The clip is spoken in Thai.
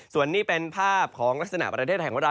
ส่วนนี้เป็นภาพของลักษณะประเทศแห่งของเรา